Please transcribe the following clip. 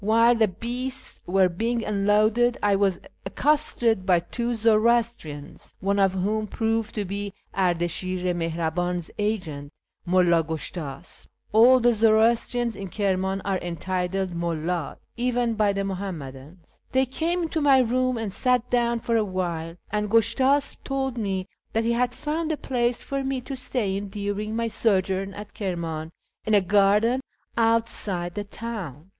While the beasts were being unloaded I was accosted by two Zoroastrians, one of whom proved to be Ardashi'r Mihraban's agent, Mull a Gushtiisp. (All the Zoroastrians in Kirman are entitled " Mulla," even by the Muhammadans.) They came into my room and sat down for a while, and Gushtasp told me that he had found a place for me to stay in during my sojourn at Kirman in a garden outside the town.